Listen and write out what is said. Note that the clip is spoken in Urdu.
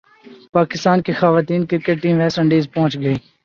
پاکستان کی خواتین کرکٹ ٹیم ویسٹ انڈیز پہنچ گئی